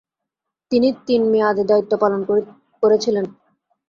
তিনি তিন মেয়াদে দায়িত্ব পালন করেছিলেন।